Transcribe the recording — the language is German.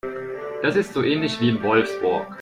Das ist so ähnlich wie in Wolfsburg